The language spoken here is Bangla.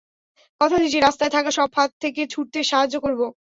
কথা দিচ্ছি, রাস্তায় থাকা সব ফাঁদ থেকে ছুটতে সাহায্য করব।